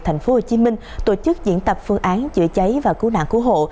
tp hcm tổ chức diễn tập phương án chữa cháy và cứu nạn cứu hộ